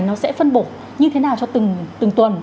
nó sẽ phân bổ như thế nào cho từng tuần